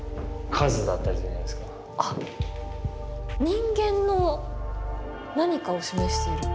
人間の何かを示しているっていう。